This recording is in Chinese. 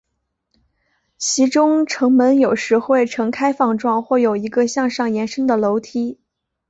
其中城门有时会呈开放状或有一个向上延伸的楼梯。